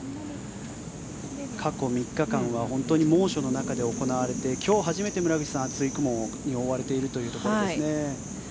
過去３日間は本当に猛暑の中で行われて今日初めて、村口さん厚い雲に覆われているというところですね。